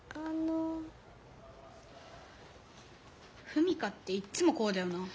史佳っていっつもこうだよな。